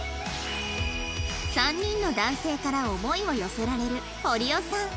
３人の男性から思いを寄せられる堀尾さん